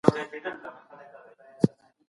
د پوهنې په سکتور کي د ډیجیټلي تذکرو کارونه نه وه.